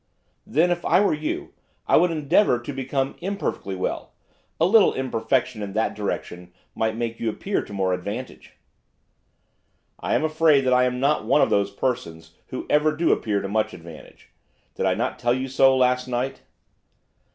'Then, if I were you, I would endeavour to become imperfectly well; a little imperfection in that direction might make you appear to more advantage.' 'I am afraid that that I am not one of those persons who ever do appear to much advantage, did I not tell you so last night?